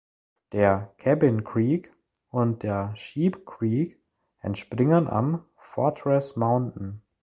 Der "Cabin Creek" und der "Sheep Creek" entspringen am Fortress Mountain.